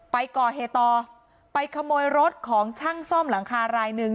ไปก่อเฮตต่อไปขโมยรถของช่างสร้องหลังคาไรนึง